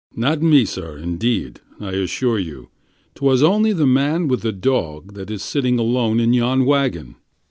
not me, sir, indeed, I assure you: 'Twas only the man with the dog that is sitting alone in yon wagon.